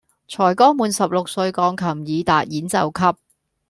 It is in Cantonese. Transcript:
才剛滿十六歲鋼琴己逹演奏級